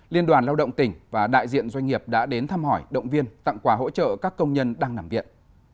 liên đoàn lao động tỉnh và đại diện doanh nghiệp đã đến thăm hỏi động viên tặng quà hỗ trợ các công nhân đang nằm viện